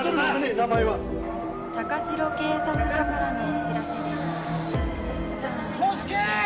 名前は高白警察署からのお知らせです康介！